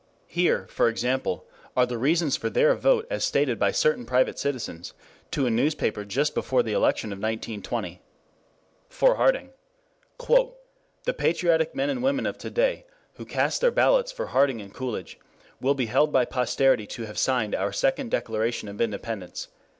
Here, for example, are the reasons for their vote as stated by certain private citizens to a newspaper just before the election of 1920. For Harding: "The patriotic men and women of to day, who cast their ballots for Harding and Coolidge will be held by posterity to have signed our Second Declaration of Independence."